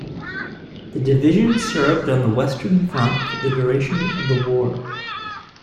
The division served on the Western Front for the duration of the war.